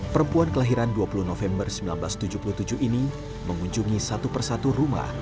perempuan kelahiran dua puluh november seribu sembilan ratus tujuh puluh tujuh ini mengunjungi satu persatu rumah